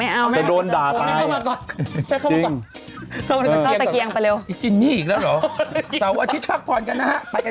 ไม่อยากให้พี่ไปช่วงนี้อยากให้คนอื่นไม่เอา